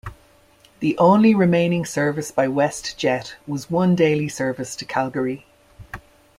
The only remaining service by WestJet was one daily service to Calgary.